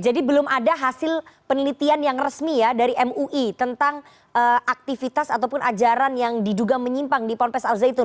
jadi belum ada hasil penelitian yang resmi ya dari mui tentang aktivitas ataupun ajaran yang diduga menyimpang di pompas arzeitun